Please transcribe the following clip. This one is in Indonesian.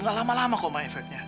nggak lama lama kok ma efeknya